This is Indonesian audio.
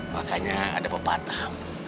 makanya ada pepatah